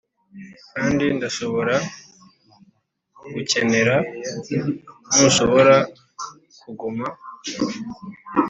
kandi ndashobora kugukenera; ntushobora kuguma? "